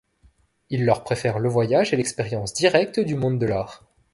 Il leur préfère le voyage et l'expérience directe du monde de l'Art.